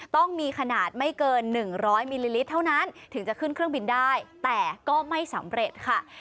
ต้องมีขนาดไม่เกิน๑๐๐มิลลิลิตรเท่านั้นถึงจะขึ้นเครื่องบินได้แต่ก็ไม่สำเร็จค่ะ